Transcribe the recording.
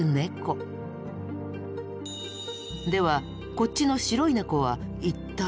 ではこっちの白い猫は一体。